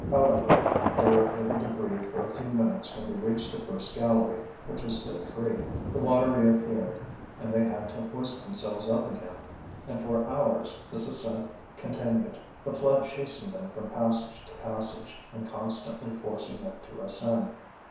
However, they were able to breathe for a few minutes when they reached the first gallery, which was still free. The water reappeared, and they had to hoist themselves up again. And for hours this ascent continued, the flood chasing them from passage to passage, and constantly forcing them to ascend.